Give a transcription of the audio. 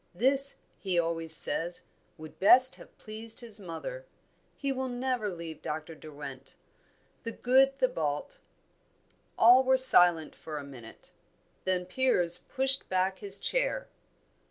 This, he always says, would best have pleased his mother. He will never leave Dr. Derwent. The good Thibaut!" All were silent for a minute; then Piers pushed back his chair.